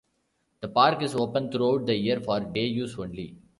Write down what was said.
The park is open throughout the year for day-use only.